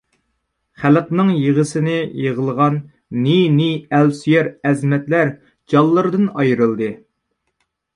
خەلقنىڭ يىغىسىنى يىغلىغان نى-نى ئەل سۆيەر ئەزىمەتلەر جانلىرىدىن ئايرىلدى.